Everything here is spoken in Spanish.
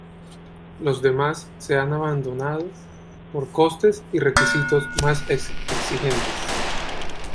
Los demás se han abandonado por costes y requisitos más exigentes.